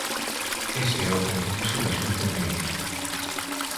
Ese é o compromiso da Xunta de Galicia.